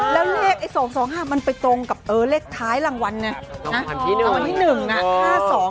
แล้วเลข๒๒๕มันไปตรงกับเลขท้ายรางวัลนะรางวัลที่๑